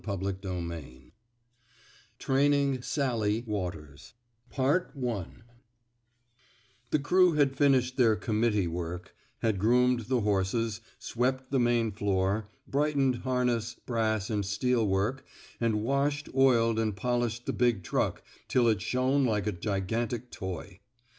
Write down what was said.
171 vn TRAINING SALLY '* WATEBS THE crew had finished their commit tee work ''— had groomed the horses, swept the main floor, brightened harness, brass, and steel work, and washed, oiled, and polished the big truck till it shone like a gigantic toy.